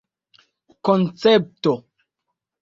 koncepto